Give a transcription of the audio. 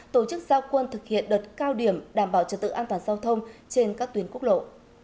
tổ chức giao quân thực hiện đợt cao điểm đảm bảo trật tự an toàn giao thông trên các tuyến quốc lộ